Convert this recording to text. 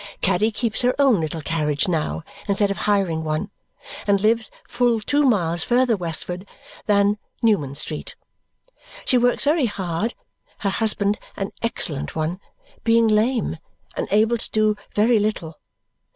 Caddy keeps her own little carriage now instead of hiring one, and lives full two miles further westward than Newman Street. She works very hard, her husband (an excellent one) being lame and able to do very little.